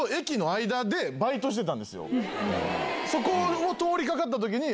そこを通り掛かった時に。